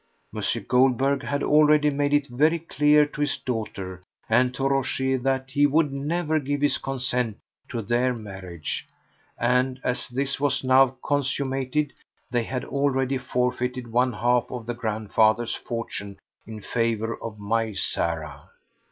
M. Goldberg had already made it very clear to his daughter and to Rochez that he would never give his consent to their marriage, and, as this was now consummated, they had already forfeited one half of the grandfather's fortune in favour of my Sarah.